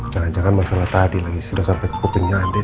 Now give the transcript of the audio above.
jangan jangan masalah tadi lagi sudah sampai ke kupingnya adik